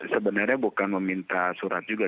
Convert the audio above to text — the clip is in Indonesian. sebenarnya bukan meminta surat juga